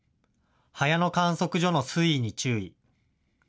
早野観測所の水位に注意。